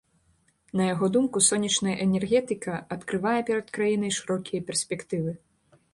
На яго думку, сонечная энергетыка адкрывае перад краінай шырокія перспектывы.